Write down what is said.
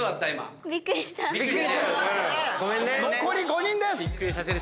⁉残り５人です！